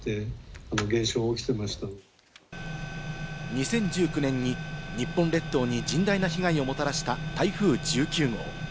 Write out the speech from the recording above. ２０１９年に日本列島に甚大な被害をもたらした台風１９号。